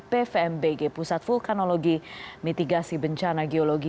pvmbg pusat vulkanologi mitigasi bencana geologi